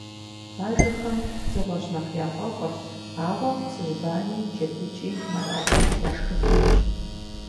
Бажэхэм дзыгъуэщ нэхъ яфӀэфӀыр, ауэ цыжьбани, джэдыкӀи, мэракӀуи, яшхыфынущ.